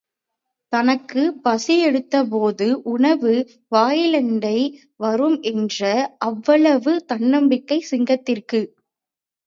தனக்குப் பசி எடுத்தபோது உணவு வாயிலண்டை வரும் என்ற அவ்வளவு தன்னம்பிக்கை சிங்கத்திற்கு.